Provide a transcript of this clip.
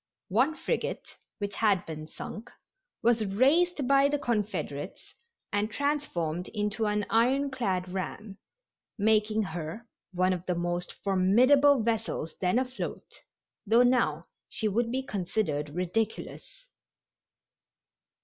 One frigate, which had been sunk, was raised by the Confederates and transformed into an ironclad ram, making her one of the most formidable vessels then afloat, though now she would be considered ridiculous.